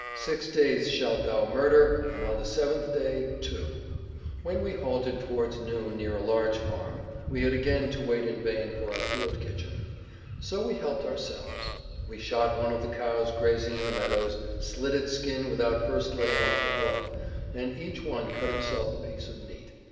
"Six days shalt thou murder and on the seventh day, too." When we halted towards noon near a large farm we had again to wait in vain for our field kitchen. So we helped ourselves. We shot one of the cows grazing in the meadows, slit its skin without first letting off the blood, and each one cut himself a piece of meat.